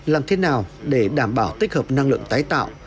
làm thế nào để đảm bảo tích hợp năng lượng tái tạo